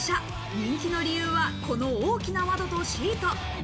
人気の理由はこの大きな窓とシート。